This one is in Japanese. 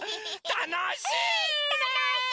たのしい！